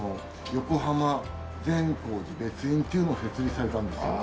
横浜善光寺別院というのを設立されたんですよ。